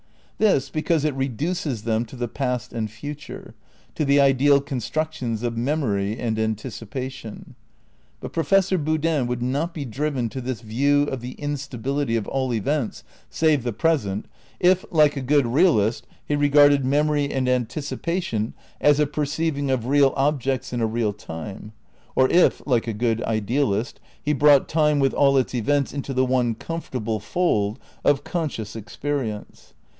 This because it reduces them to the past and future, to the ideal constructions of memory and anticipation. But Professor Boodin would not be driven to this view of the instability of all events save the present, if, like a good realist, he regarded memory and anticipation as a perceiving of real objects in a real time, or if, like a good idealist, he brought time with aU its events into the one comfortable fold of conscious experience.